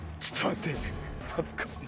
ちょっと待ってマツコ。